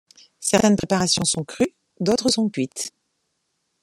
Certaines préparations sont crues, d'autres sont cuites.